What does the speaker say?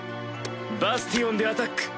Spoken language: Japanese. バスティオンでアタック！